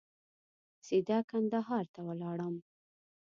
سیده کندهار ته ولاړم.